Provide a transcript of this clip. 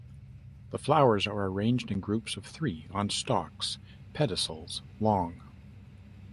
The flowers are arranged in groups of three on stalks (pedicels) long.